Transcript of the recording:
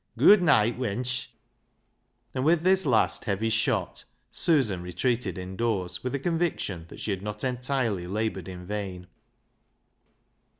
Gooid neet, wench," and, with this last heavy shot, Susan retreated indoors, with a conviction that she had not entirely laboured in vain.